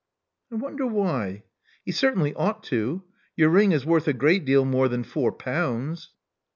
I wonder why. He certainly ought to. Your ring is worth a great deal more than four pounds."